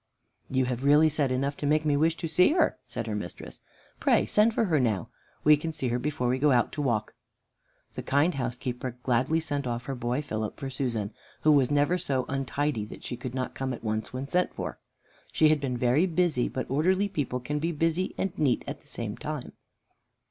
"You have really said enough to make me wish to see her," said her mistress. "Pray send for her now; we can see her before we go out to walk." The kind housekeeper gladly sent off her boy Philip for Susan, who was never so untidy that she could not come at once when sent for. She had been very busy, but orderly people can be busy and neat at the same time.